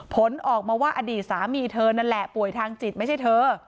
ผลออกมาว่าอดีตสามีเธอนั่นแหละป่วยทางจิตไม่ใช่เธอ